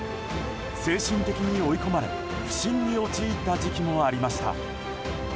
精神的に追い込まれ不振に陥った時期もありました。